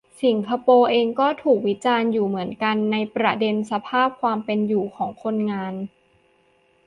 สิงคโปร์เองก็ถูกวิจารณ์อยู่เหมือนกัน ในประเด็นสภาพความเป็นอยู่ของคนงาน